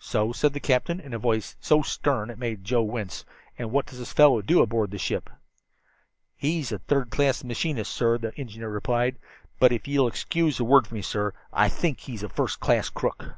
"So?" said the captain, in a voice so stern it made Joe wince. "And what does this fellow do aboard the ship?" "He's a third class machinist, sir," the engineer replied. "But if ye'll excuse a word from me, sir, I think he's a first class crook."